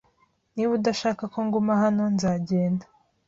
Niba udashaka ko nguma hano, nzagenda.